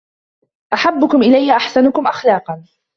أَحَبُّكُمْ إلَيَّ أَحْسَنكُمْ أَخْلَاقًا